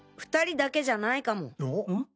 ２人だけじゃないかも。